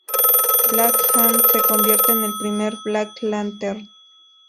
Black Hand se convierte en el primer black lantern.